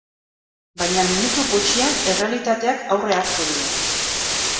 Baina minutu gutxian, errealitateak aurre hartu die.